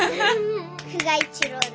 久我一郎だ。